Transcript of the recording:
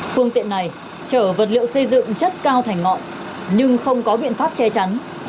phương tiện này chở vật liệu xây dựng chất cao thành ngọn nhưng không có biện pháp che chắn